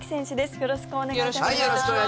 よろしくお願いします。